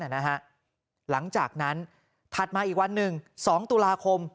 หลังจากนั้นถัดมาอีกวันหนึ่ง๒ตุลาคม